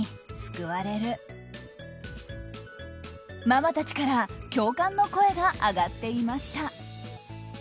ママたちから共感の声が上がっていました。